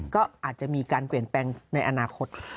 ก็อาจจะมีการเปลี่ยนแปลงในอนาคต